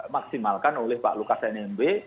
maksimalkan oleh pak lukas nmb